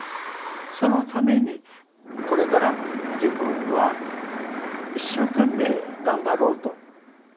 そのためにこれから自分は一生懸命頑張ろうと。